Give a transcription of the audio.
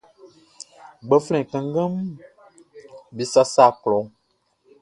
Gbanflɛn kannganʼm be sasa klɔʼn.